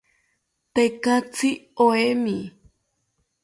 Tekatzi oemi